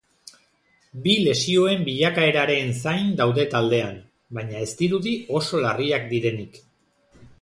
Bi lesioen bilakaeraren zain daude taldean, baina ez dirudi oso larriak direnik.